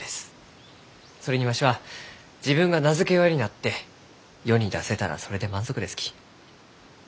それにわしは自分が名付け親になって世に出せたらそれで満足ですき。